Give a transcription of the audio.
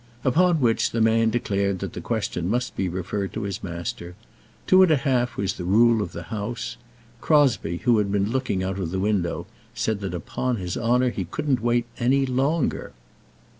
Upon which the man declared the question must be referred to his master. Two and a half was the rule of the house. Crosbie, who had been looking out of the window, said that upon his honour he couldn't wait any longer.